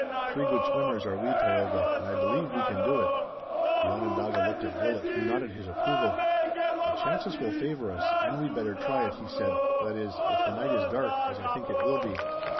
Three good swimmers are we, Tayoga, and I believe we can do it." The Onondaga looked at Willet, who nodded his approval. "The chances will favor us, and we'd better try it," he said, "that is, if the night is dark, as I think it will be."